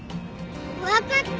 分かった。